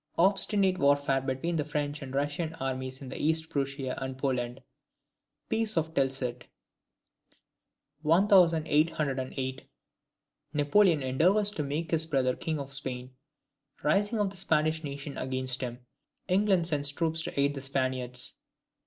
Obstinate warfare between the French and Russian armies in East Prussia and Poland. Peace of Tilsit. 1808. Napoleon endeavours to make his brother King of Spain. Rising of the Spanish nation against him. England sends troops to aid the Spaniards.